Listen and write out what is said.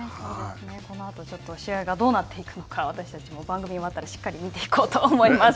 このあと、ちょっと試合がどうなっていくのか、私たちも番組が終わったらしっかり見ていこうと思います。